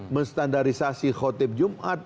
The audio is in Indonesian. menestandarisasi khutib jumat